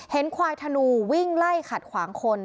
ควายธนูวิ่งไล่ขัดขวางคน